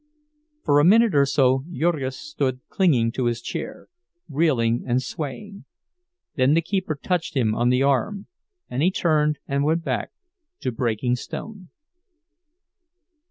For a minute or so Jurgis stood clinging to his chair, reeling and swaying; then the keeper touched him on the arm, and he turned and went back to breaking stone.